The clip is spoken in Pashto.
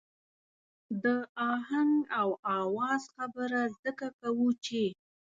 د آهنګ او آواز خبره ځکه کوو چې.